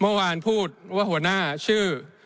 เมื่อวานพูดว่าหัวหน้าชื่อ